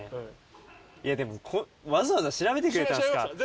いやでもわざわざ調べてくれたんですか？